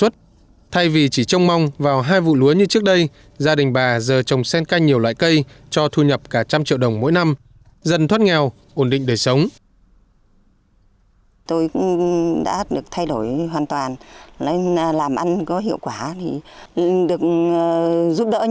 thay vì chỉ trông mong vào hai vụ lúa như trước đây gia đình bà giờ trồng sen canh nhiều loại cây cho thu nhập cả trăm triệu đồng mỗi năm dần thoát nghèo ổn định đời sống